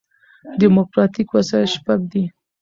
ډیموکراټیک وسایل شپږ دي.